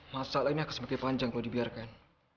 masalah ini akan semakin panjang kalau dibiarkan